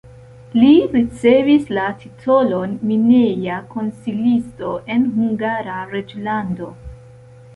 Li ricevis la titolon mineja konsilisto en Hungara reĝlando.